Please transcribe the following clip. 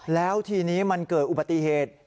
แล้วทีนี้มันเกิดอุบัติเหตุ